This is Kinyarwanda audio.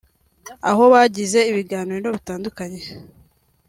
aho bagize ibiganiro bitandukanye